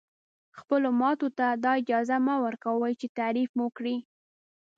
خپلو ماتو ته دا اجازه مه ورکوئ چې تعریف مو کړي.